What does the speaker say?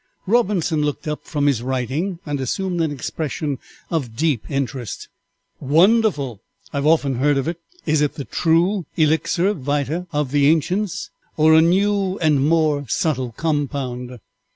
Robinson looked up from his writing and assumed an expression of deep interest. "Wonderful! I have often heard of it. Is it the true Elixir vitæ of the ancients, or a new and more subtle compound?"